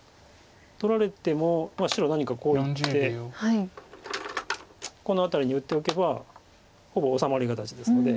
取られても白何かこういってこの辺りに打っておけばほぼ治まり形ですので。